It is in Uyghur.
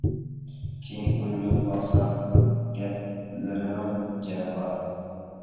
كېيىن ئويلىنىپ باقسام گەپلىرىنىڭ جېنى بار.